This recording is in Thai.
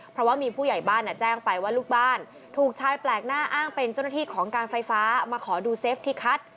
เพราะว่ามีผู้ใหญ่บ้านแจ้งไปว่าลูกบ้านถูกชายแปลกหน้าอ้างเป็นเจ้าหน้าที่ของการไฟฟ้ามาขอดูเซฟที่คัด